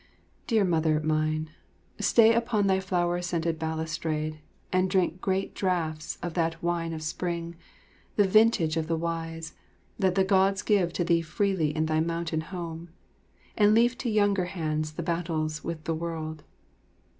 Dear Mother mine, stay upon thy flower scented balustrade, and drink great draughts of that wine of spring, the vintage of the wise, that the Gods give to thee freely in thy mountain home, and leave to younger hands the battles with the world.